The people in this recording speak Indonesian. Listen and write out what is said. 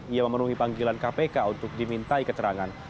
ia memenuhi panggilan kpk untuk dimintai keterangan